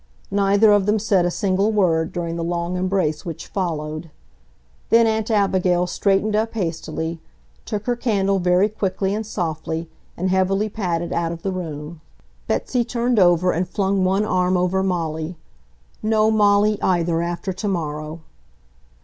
Neither of them said a single word during the long embrace which followed. Then Aunt Abigail straightened up hastily, took her candle very quickly and softly, and heavily padded out of the room. Betsy turned over and flung one arm over Molly—no Molly, either, after tomorrow!